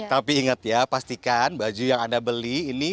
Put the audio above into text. tapi ingat ya pastikan baju yang anda beli ini